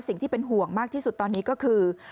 สิ่งที่เป็นห่วงมากที่สุดตอนนี้ก็คือ